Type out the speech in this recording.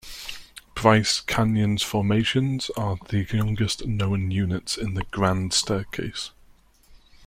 Bryce Canyon's formations are the youngest known units in the Grand Staircase.